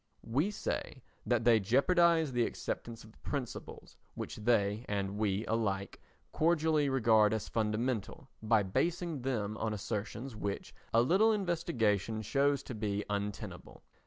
We say that they jeopardise the acceptance of the principles which they and we alike cordially regard as fundamental by basing them on assertions which a little investigation shows to be untenable.